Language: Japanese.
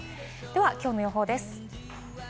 きょうの予報です。